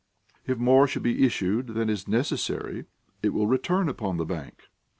If more should be issued than is necessary, it will return upon the bank.